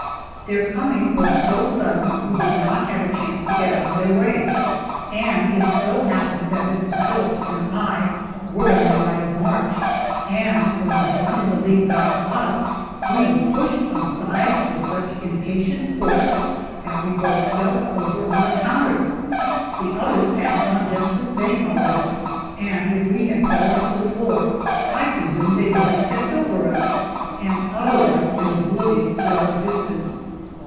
Their coming was so sudden we did not have a chance to get out of their way, and it so happened that Mrs. Phillips and I were in their line of march, and when the one in the lead got to us, we were pushed aside with such impatient force that we both fell over on the counter. The others passed on just the same, however, and if we had fallen to the floor, I presume they would have stepped over us, and otherwise been oblivious to our existence.